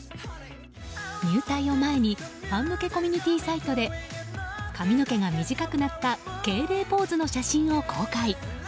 入隊を前に、ファン向けコミュニティーサイトで髪の毛が短くなった敬礼ポーズの写真を公開。